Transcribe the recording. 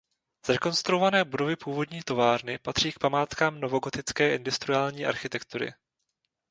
Zrekonstruované budovy původní továrny patří k památkám novogotické industriální architektury.